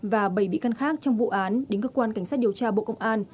và bảy bị căn khác trong vụ án đến cơ quan cảnh sát điều tra bộ công an